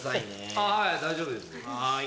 はい大丈夫です。